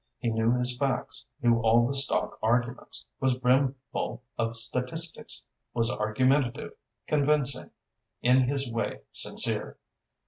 He knew his facts, knew all the stock arguments, was brimful of statistics, was argumentative, convincing, in his way sincere.